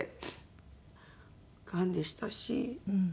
がんでしたし。